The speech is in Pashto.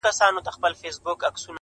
o د فتوحاتو یرغلونو او جنګونو کیسې,